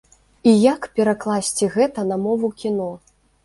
І як перакласці гэта на мову кіно?